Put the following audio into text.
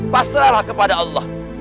pasrahlah kepada allah